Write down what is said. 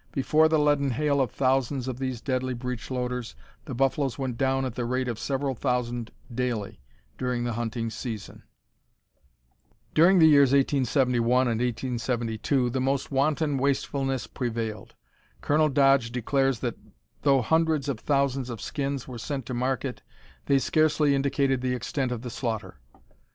Before the leaden hail of thousands of these deadly breech loaders the buffaloes went down at the rate of several thousand daily during the hunting season. During the years 1871 and 1872 the most wanton wastefulness prevailed. Colonel Dodge declares that, though hundreds of thousands of skins were sent to market, they scarcely indicated the extent of the slaughter.